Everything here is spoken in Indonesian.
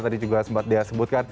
tadi juga sempat dia sebutkan